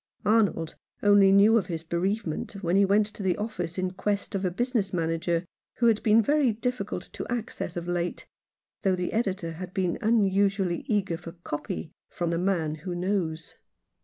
Arnold only knew of his bereavement when he went to the office in quest of a business manager who had been very difficult of access of late, though the editor had been unusually eager for " copy " from "The Man who Knows."